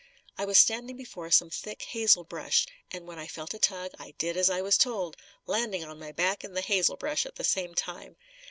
I was standing before some thick hazel brush and when I felt a tug, I did as I was told, landing on my back in the hazel brush at the same time.